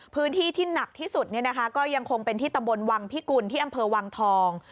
พื้นที่ที่หนักที่สุดก็ยังคงเป็นที่ตำบลวังพิกุลที่อำเภอวังทอง